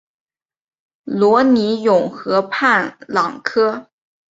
罗尼永河畔朗科。